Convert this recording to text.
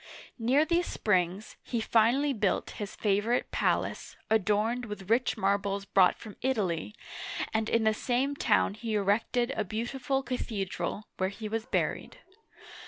Near these springs, he finally built his favorite palace, adorned with rich marbles brought from Italy, and in the same town he erected a beautiful cathedral, where he was buried.